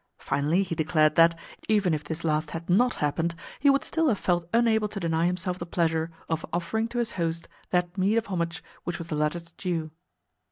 Finally he declared that, even if this last had NOT happened, he would still have felt unable to deny himself the pleasure of offering to his host that meed of homage which was the latter's due.